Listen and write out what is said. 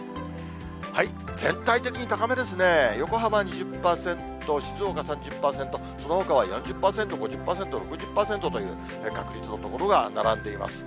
全体的に高めですね、横浜２０％、静岡３０％、そのほかは４０％、５０％、６０％という確率の所が並んでいます。